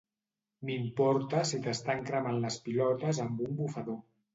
M'importa si t'estan cremant les pilotes amb un bufador.